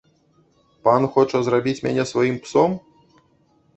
Пан хоча зрабіць мяне сваім псом?